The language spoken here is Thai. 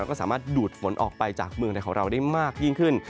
แล้วก็สามารถดูดฝนออกไปจากเมืองไทยของเราได้มากยิ่งขึ้น